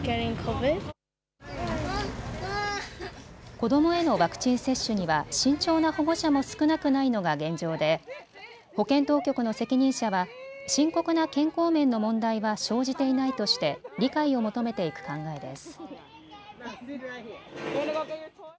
子どもへのワクチン接種には慎重な保護者も少なくないのが現状で保健当局の責任者は深刻な健康面の問題は生じていないとして理解を求めていく考えです。